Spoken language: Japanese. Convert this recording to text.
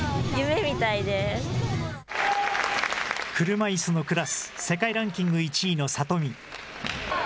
車いすのクラス、世界ランキング１位の里見。